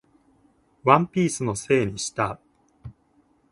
ワンピースのせいにした